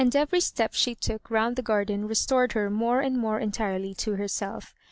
every step she took round the garden restored her more and more entirely to herself.